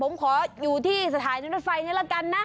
ผมขออยู่ที่สถานีรถไฟนี้ละกันนะ